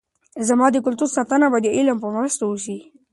زموږ د کلتور ساتنه به د علم په مرسته وسي.